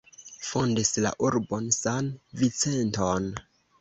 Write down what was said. Fondis la urbon San-Vicenton.